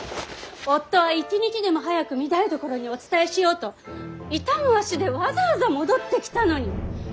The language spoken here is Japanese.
夫は一日でも早く御台所にお伝えしようと痛む足でわざわざ戻ってきたのに。